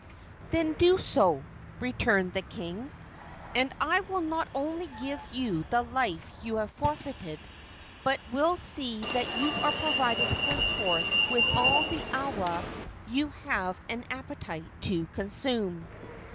"Then do so," returned the king, "and I will not only give you the life you have forfeited, but will see that you are provided henceforth with all the awa you have an appetite to consume."